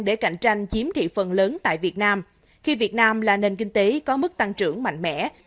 để cạnh tranh chiếm thị phần lớn tại việt nam khi việt nam là nền kinh tế có mức tăng trưởng mạnh mẽ